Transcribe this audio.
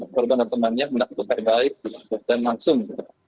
korban dan temannya menakutkan baik dan langsung